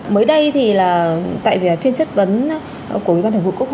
mới đây thì là tại vì là chuyên chức vấn của ubtc